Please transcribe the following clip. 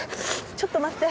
ちょっと待って。